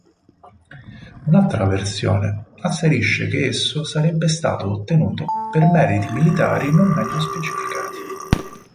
Un'altra versione asserisce che esso sarebbe stato ottenuto per meriti militari non meglio specificati.